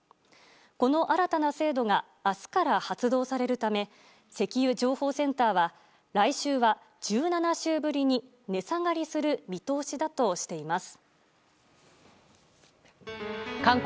この新たな制度が明日から発動されるため石油情報センターは来週は１７週ぶりに値下がりする見通しだとしています。